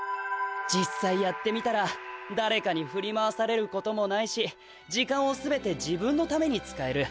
じっさいやってみたらだれかにふり回されることもないし時間を全て自分のために使える。